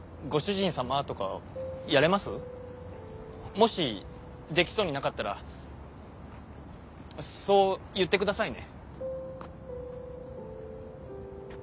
もしできそうになかったらそう言って下さいね。